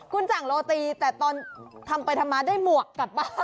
คุณสั่งโรตีแต่ตอนทำไปทำมาได้หมวกกลับบ้าน